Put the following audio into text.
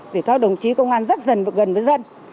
vì các đồng chí công an rất dần gần với dân